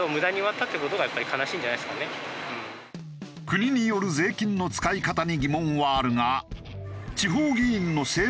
国による税金の使い方に疑問はあるが。